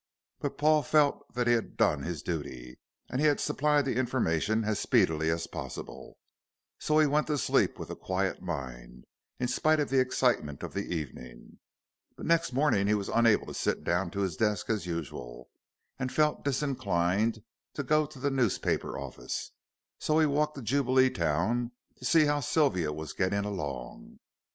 But Paul felt that he had done his duty, and had supplied the information as speedily as possible, so he went to sleep with a quiet mind, in spite of the excitement of the evening. But next morning he was unable to sit down to his desk as usual, and felt disinclined to go to the newspaper office, so he walked to Jubileetown to see how Sylvia was getting along.